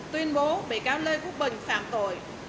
tuyên bố bị cáo lê quốc bình phạm tội